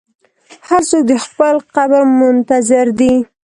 هر څوک د خپل قبر منتظر دی.